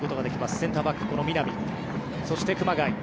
センターバックの南そして熊谷。